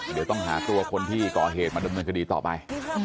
เดี๋ยวต้องหาตัวคนที่ก่อเหตุมาดำเนินคดีต่อไป